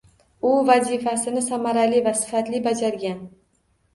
U vazifasini samarali va sifatli bajargan